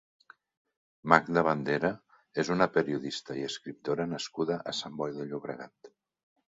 Magda Bandera és una periodista i escriptora nascuda a Sant Boi de Llobregat.